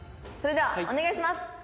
それではお願いします。